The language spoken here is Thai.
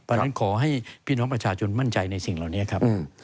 เพราะฉะนั้นขอให้พี่น้องประชาชนมั่นใจในสิ่งเหล่านี้ครับ